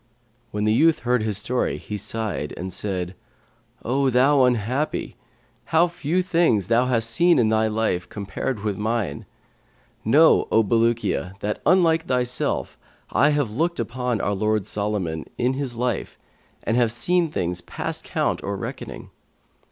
When the youth heard his story, he sighed and said, 'O thou unhappy! How few things thou hast seen in thy life compared with mine. Know, O Bulukiya, that unlike thyself I have looked upon our lord Solomon, in his life, and have seen things past count or reckoning.